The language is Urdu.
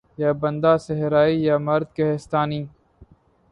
یا بندہ صحرائی یا مرد کہستانی